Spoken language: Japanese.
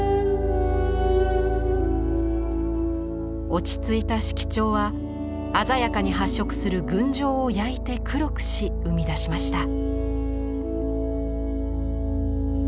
落ち着いた色調は鮮やかに発色する群青を焼いて黒くし生み出しました。